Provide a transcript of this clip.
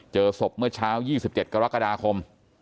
เจอศพเมื่อเช้า๒๗กรกฎาคม